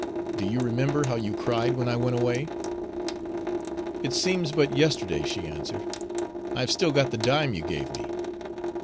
Do you remember how you cried when I went away?" "It seems but yesterday," she answered. "I've still got the dime you gave me."